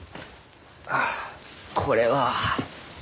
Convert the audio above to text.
あこれは。